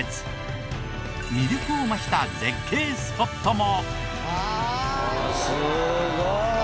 魅力を増した絶景スポットも。